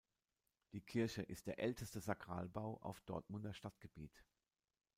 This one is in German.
Die Kirche ist der älteste Sakralbau auf Dortmunder Stadtgebiet.